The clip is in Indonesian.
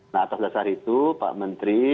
nah atas dasar itu pak menteri